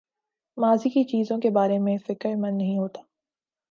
ماضی کی چیزوں کے بارے میں فکر مند نہیں ہوتا